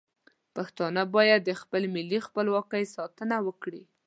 پښتانه باید د خپل ملي خپلواکۍ ساتنه وکړي.